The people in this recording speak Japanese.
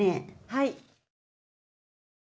はい。